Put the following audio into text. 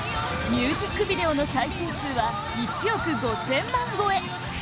ミュージックビデオの再生数は１億５０００万超え！